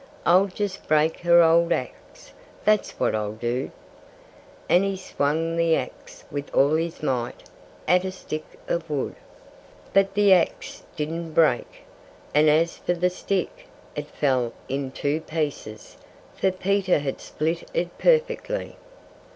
"I'll just break her old axe that's what I'll do!" And he swung the axe with all his might at a stick of wood. But the axe didn't break. And as for the stick, it fell in two pieces; for Peter had split it perfectly.